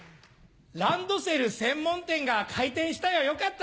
ランドセル専門店が開店したよよかった！